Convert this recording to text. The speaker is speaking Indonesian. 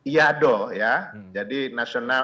iado ya jadi national